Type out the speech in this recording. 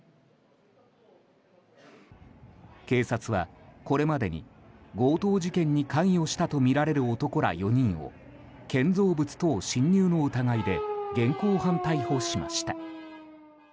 警察はこれまでに強盗事件に関与したとみられる男ら４人を建造物等侵入の疑いで現行犯逮捕しました。